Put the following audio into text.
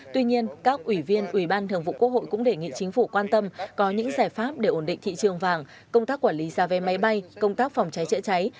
tuy nhiên các ủy viên ủy ban thường vụ quốc hội cũng đề nghị chính phủ quan tâm có những giải pháp để ổn định thị trường vàng công tác quản lý xa vé máy bay công tác phòng cháy chữa cháy